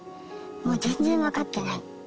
「もう全然分かってない」。